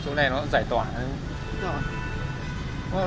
chỗ này nó giải tỏa hay không